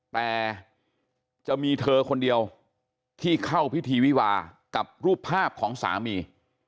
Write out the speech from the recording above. แต่จะมีเธอคนเดียวที่เข้าพิธีวิวากับรูปภาพของสามี